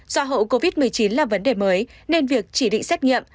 do hậu covid một mươi chín là vấn đề mới nên việc chỉ định xét nghiệm